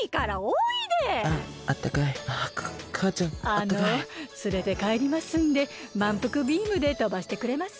あのつれてかえりますんでまんぷくビームでとばしてくれます？